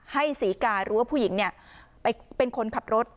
ให้ศรีการู้ว่าผู้หญิงเนี่ยไปเป็นคนขับรถ